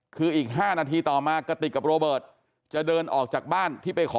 คืออีก๕นาทีต่อมากะติกกับโรเบิร์ตจะเดินออกจากบ้านที่ไปขอ